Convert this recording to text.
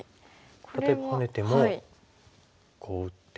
例えばハネてもこう打って。